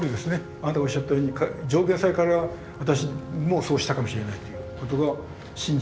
あなたがおっしゃったように条件さえ変われば私もそうしたかもしれないということが真実。